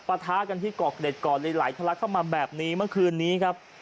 ท้ากันที่เกาะเกร็ดก่อนเลยไหลทะลักเข้ามาแบบนี้เมื่อคืนนี้ครับ